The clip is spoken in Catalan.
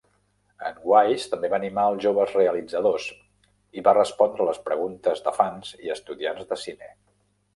En Wise també va animar els joves realitzadors i va respondre les preguntes de fans i estudiants de cine.